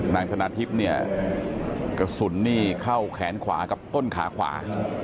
ธนาทิพย์เนี่ยกระสุนนี่เข้าแขนขวากับต้นขาขวา